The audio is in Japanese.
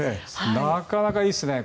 なかなかいいですね。